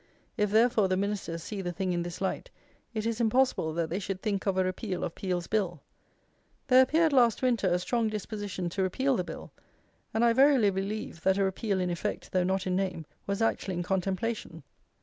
If, therefore, the Ministers see the thing in this light, it is impossible, that they should think of a repeal of Peel's Bill. There appeared, last winter, a strong disposition to repeal the Bill; and I verily believe, that a repeal in effect, though not in name, was actually in contemplation.